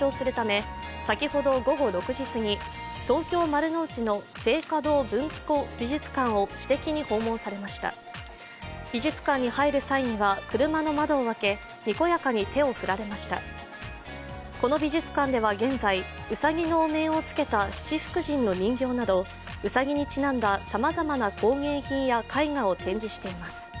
この美術館では現在うさぎのお面をつけた七福神の人形などうさぎにちなんださまざまな工芸品や絵画を展示しています。